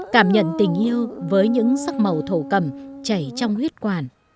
cảm nhận tình yêu với những sắc màu thổ cầm chảy trong huyết quản